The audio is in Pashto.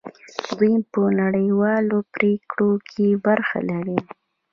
دوی په نړیوالو پریکړو کې برخه لري.